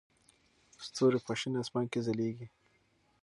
ستوري په شین اسمان کې ځلېږي.